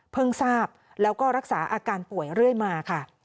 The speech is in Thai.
ทราบแล้วก็รักษาอาการป่วยเรื่อยมาค่ะ